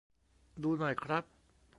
ดูหน่อยครับ